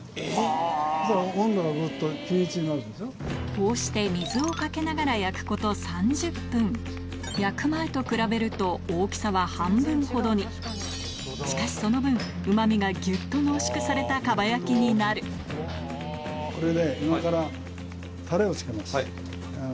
こうして水をかけながら焼く前と比べると大きさは半分ほどにしかしその分うま味がギュっと濃縮された蒲焼きになるこれで。